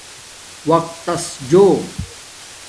وقت تس جو